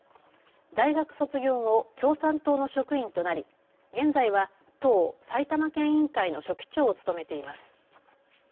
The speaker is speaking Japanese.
大学卒業後、共産党の職員となり現在は党埼玉県委員会の書記長を務めています。